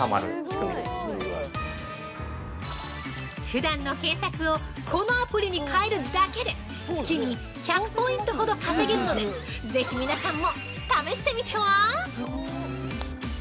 ◆ふだんの検索をこのアプリに変えるだけで月に１００ポイントほど稼げるので、ぜひ皆さんも試してみては？